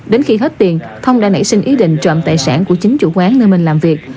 đến khi hết tiền thông đã nảy sinh ý định trộm tài sản của chính chủ quán nơi mình làm việc